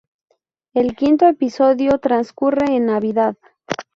El quinto episodio transcurre en Navidad.